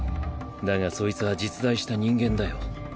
だがそいつは実在した人間だよ。